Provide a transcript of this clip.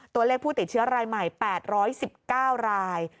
ตัวเลขผู้ติดเชื้อรายใหม่๘๑๙ราย